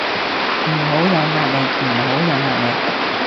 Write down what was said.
唔好有壓力，唔好有壓力